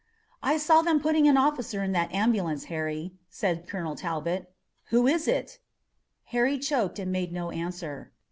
"I saw them putting an officer in that ambulance, Harry," said Colonel Talbot. "Who was it?" Harry choked and made no answer.